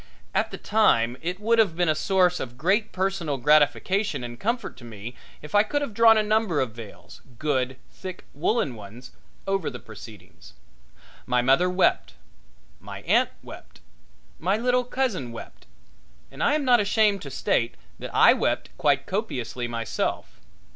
At the time it would have been a source of great personal gratification and comfort to me if I could have drawn a number of veils, good, thick, woolen ones, over the proceedings. My mother wept, my aunt wept, my little cousin wept, and I am not ashamed to state that I wept quite copiously myself.